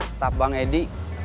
staf bang edi